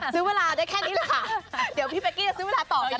ซื้อเวลาได้แค่นี้แหละค่ะเดี๋ยวพี่เป๊กกี้จะซื้อเวลาต่อไป